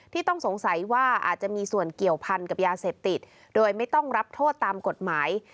ต้องสงสัยว่าอาจจะมีส่วนเกี่ยวพันกับยาเสพติดโดยไม่ต้องรับโทษตามกฎหมาย